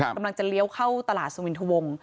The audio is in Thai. กำลังจะเลี้ยวเข้าตลาดสุวินทวง